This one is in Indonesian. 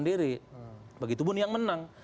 diri begitu pun yang menang